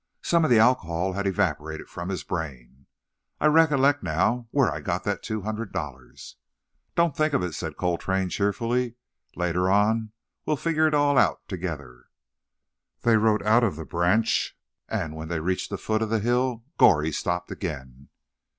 Some of the alcohol had evaporated from his brain. "I recollect now where I got that two hundred dollars." "Don't think of it," said Coltrane cheerfully. "Later on we'll figure it all out together." They rode out of the branch, and when they reached the foot of the hill Goree stopped again.